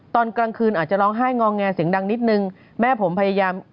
ตอนกลางคืนอาจจะร้องไห้งอแงเสียงดังนิดนึงแม่ผมพยายาม